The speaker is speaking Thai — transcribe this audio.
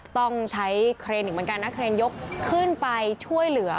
ต้องใช้เครนอีกเหมือนกันนะเครนยกขึ้นไปช่วยเหลือ